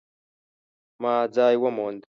ما ځای وموند